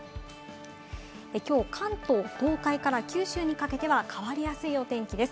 きょう関東、東海から九州にかけては変わりやすいお天気です。